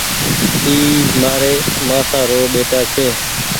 اي مآري مآسآ رو ٻيٽآ ڇي۔